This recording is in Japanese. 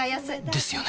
ですよね